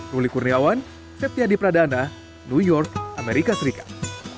ruli kurniawan setia di pradana new york amerika serikat